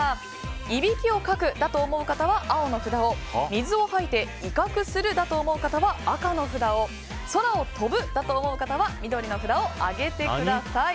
いびきをかくだと思う方は青の札を水を吐いて威嚇するだと思う方は赤の札を空を飛ぶだと思う方は緑の札を上げてください。